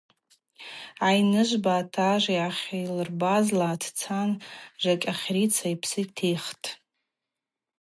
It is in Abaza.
Айныжвпа атажв йахьъайлырбазла дцан Жакӏьахрица йпсы тихтӏ.